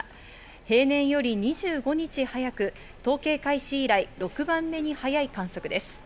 平年より２５日早く、統計開始以来６番目に早い観測です。